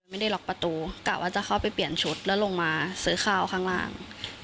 ไม่ได้ล็อกประตูกะว่าจะเข้าไปเปลี่ยนชุดแล้วลงมาซื้อข้าวข้างล่าง